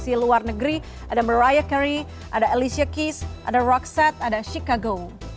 ada di luar negeri ada mariah carey ada alicia keys ada roxette ada chicago